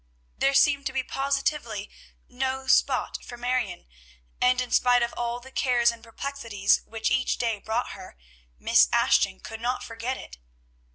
There seemed to be positively no spot for Marion; and, in spite of all the cares and perplexities which each day brought her, Miss Ashton could not forget it.